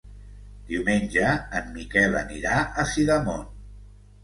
Diumenge en Miquel anirà a Sidamon.